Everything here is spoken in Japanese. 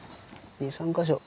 ２３か所。